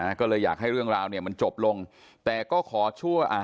ก็เลยอยากให้เรื่องราวเนี้ยมันจบลงแต่ก็ขอชั่วอ่า